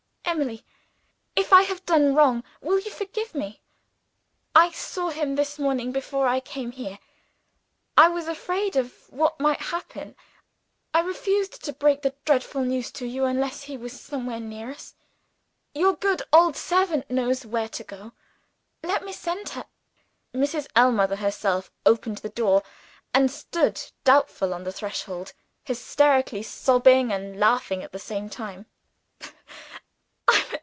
"Emily! if I have done wrong, will you forgive me? I saw him this morning before I came here. I was afraid of what might happen I refused to break the dreadful news to you, unless he was somewhere near us. Your good old servant knows where to go. Let me send her " Mrs. Ellmother herself opened the door, and stood doubtful on the threshold, hysterically sobbing and laughing at the same time.